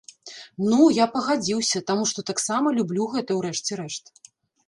Ну, я пагадзіўся, таму што таксама люблю гэта, у рэшце рэшт.